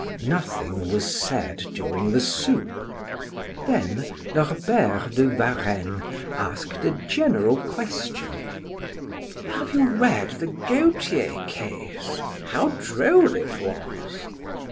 Nothing was said during the soup; then Norbert de Varenne asked a general question: "Have you read the Gauthier case? How droll it was!"